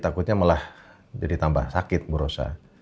takutnya malah jadi tambah sakit bu rosa